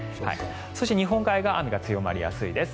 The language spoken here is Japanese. そして日本海側雨が強まりやすいです。